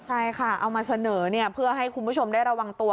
ใช่ค่ะเอามาเสนอเพื่อให้คุณผู้ชมได้ระวังตัว